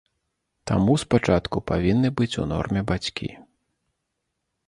Таму спачатку павінны быць у норме бацькі.